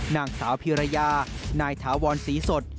นางสาวพิรยานายถาวรศรีสด